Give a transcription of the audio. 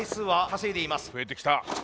増えてきた。